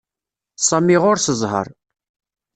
Sami ɣuṛ-s ẓhaṛ.